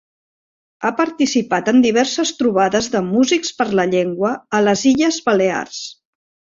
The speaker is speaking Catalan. Ha participat en diverses trobades de Músics per la Llengua a les Illes Balears.